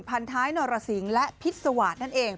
พันท้ายนรสิงและพิษวาสตร์นั่นเอง